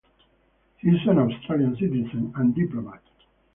He is an Australian citizen and diplomat.